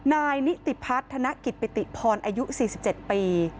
นายนิติพัฒน์ธนกิจปิติพรอายุสี่สิบเจ็ดปี